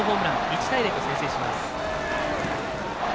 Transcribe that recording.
１対０と先制します。